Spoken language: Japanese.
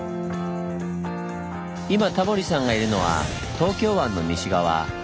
今タモリさんがいるのは東京湾の西側